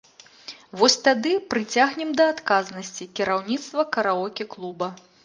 Вось тады прыцягнем да адказнасці кіраўніцтва караоке-клуба.